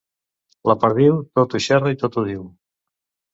La perdiu tot ho xerra i tot ho diu.